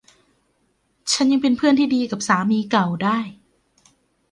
ฉันยังเป็นเพื่อนที่ดีกับสามีเก่าได้